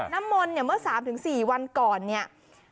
น้ำมนต์เนี่ยเมื่อ๓๔วันก่อนเนี่ย